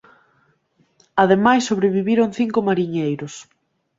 Ademais sobreviviron cinco mariñeiros.